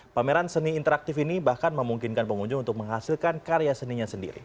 pameran seni interaktif ini bahkan memungkinkan pengunjung untuk menghasilkan karya seninya sendiri